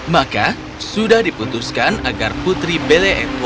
maka sudah diputuskan agar putri belle et al akan mencintai kami